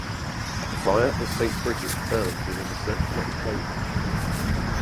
The fire of St. Bridget burned within a circular enclosure.